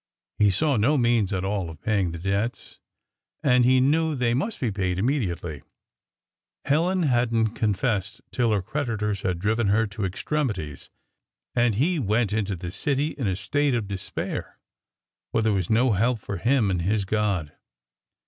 He saw no means at all of paying the debts, and he knew they must be paid immediately. Helen hadn't confessed till her creditors had driven her to extremities; and he went into the city in a state of despair, for there was 'no help for him in his God.'